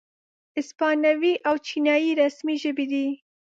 اسپانوي او چینایي رسمي ژبې دي.